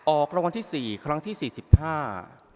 ออกรางวัลที่สี่ครั้งที่สี่สิบห้า